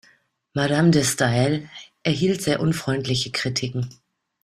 Madame de Staël erhielt sehr unfreundliche Kritiken.